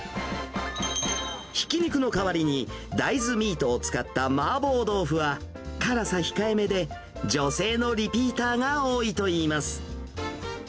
ひき肉の代わりに、大豆ミートを使った麻婆豆腐は、辛さ控えめで女性のリピーターが多いといいます。